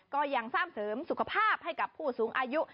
ก็ยังสร้างเสริมสุขภาพให้กับผู้สูงอายุ